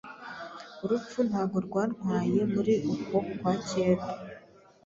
Urupfu ntago rwantwaye muri uko kwa cyenda